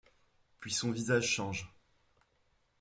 Puis son visage change.